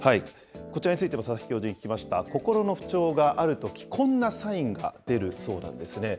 こちらについても佐々木教授に聞きました、心の不調があるとき、こんなサインが出るそうなんですね。